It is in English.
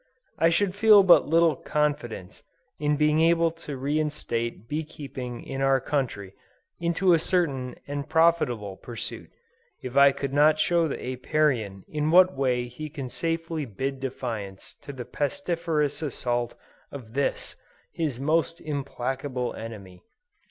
I should feel but little confidence in being able to reinstate bee keeping in our country, into a certain and profitable pursuit, if I could not show the Apiarian in what way he can safely bid defiance to the pestiferous assaults of this, his most implacable enemy.